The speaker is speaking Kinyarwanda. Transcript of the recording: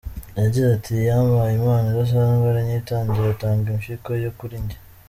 Yagize ati "Yampaye impano idasanzwe aranyitangira atanga impyiko ye kuri njye.